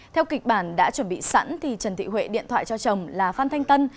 theo kịch bản đã chuẩn bị sẵn trần thị huệ điện thoại cho chồng là phan thanh tân